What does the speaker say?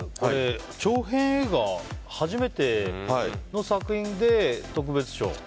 長編映画初めての作品で特別賞。